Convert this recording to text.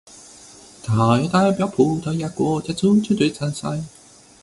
他也代表葡萄牙国家足球队参赛。